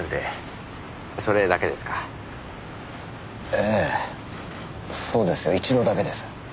ええそうです一度だけです。